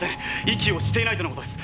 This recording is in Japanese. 「息をしていないとの事です。